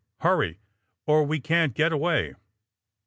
Hurry, or we can't get away!"